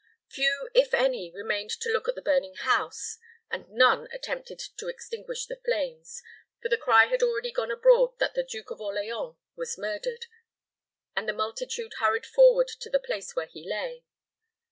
Few, if any, remained to look at the burning house, and none attempted to extinguish the flames; for the cry had already gone abroad that the Duke of Orleans was murdered, and the multitude hurried forward to the place where he lay.